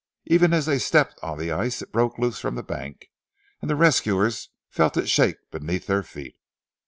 Even as they stepped on the ice, it broke loose from the bank, and the rescuers felt it shake beneath their feet.